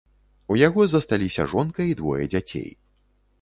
У яго засталіся жонка і двое дзяцей.